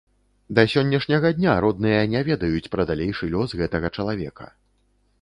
Да сённяшняга дня родныя не ведаюць пра далейшы лёс гэтага чалавека.